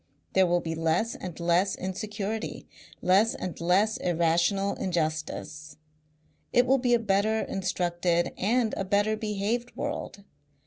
There will be less and less insecurity, less and less irrational injustice. It will be a better instructed and a better behaved world.